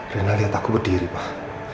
dengan lihat aku berdiri pak